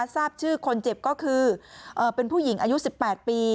ทราบชื่อคนเจ็บก็คือเป็นผู้หญิงอายุ๑๘ปี